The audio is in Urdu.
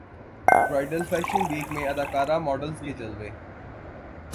برائڈل فیشن ویک میں اداکاراں ماڈلز کے جلوے